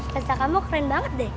pesta kamu keren banget deh